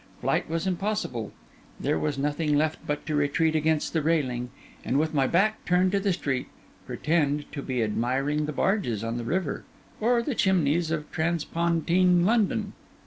Flight was impossible. There was nothing left but to retreat against the railing, and with my back turned to the street, pretend to be admiring the barges on the river or the chimneys of transpontine London.